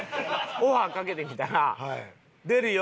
オファーかけてみたら「出るよ！」